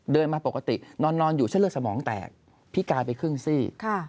เดินมาปกตินอนอยู่เส้นเลือดสมองแตกพิกายไปครึ่งซี่